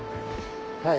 はい。